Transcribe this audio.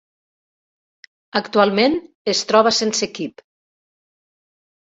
Actualment, es troba sense equip.